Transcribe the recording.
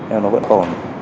em nói vẫn còn